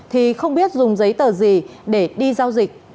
thì không biết dùng giấy tờ gì để đi giao dịch